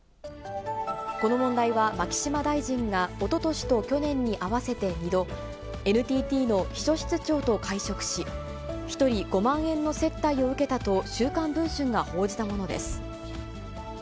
この問題は、牧島大臣がおととしと去年に合わせて２度、ＮＴＴの秘書室長と会食し、１人５万円の接待を受けたと、週刊文春が報じたものです。